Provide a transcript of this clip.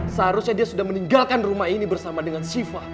seharusnya dia sudah meninggalkan rumah ini bersama dengan shiva